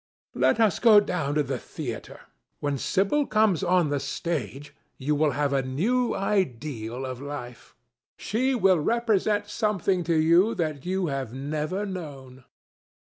"Let us go down to the theatre. When Sibyl comes on the stage you will have a new ideal of life. She will represent something to you that you have never known."